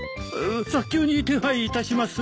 早急に手配いたします。